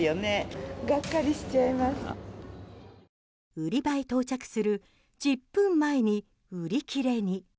売り場へ到着する１０分前に売り切れに。